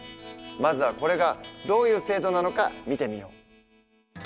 まずはこれがどういう制度なのか見てみよう。